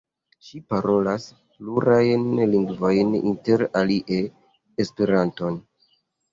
Ŝi parolas plurajn lingvojn inter alie Esperanton.